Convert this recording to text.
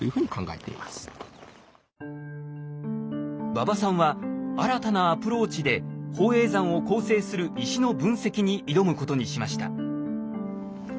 馬場さんは新たなアプローチで宝永山を構成する石の分析に挑むことにしました。